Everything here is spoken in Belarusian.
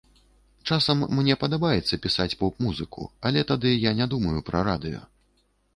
Часам мне падабаецца пісаць поп-музыку, але тады я не думаю пра радыё.